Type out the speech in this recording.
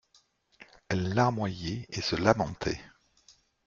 Elle larmoyait et se lamentait.